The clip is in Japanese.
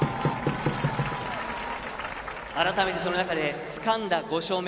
改めてその中でつかんだ５勝目。